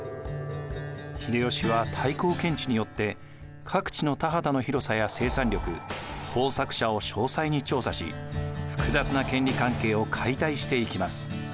秀吉は太閤検地によって各地の田畑の広さや生産力耕作者を詳細に調査し複雑な権利関係を解体していきます。